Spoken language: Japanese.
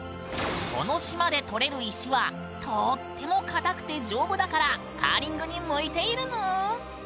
この島で採れる石はとっても硬くて丈夫だからカーリングに向いているぬん！